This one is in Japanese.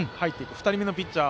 ２人目のピッチャー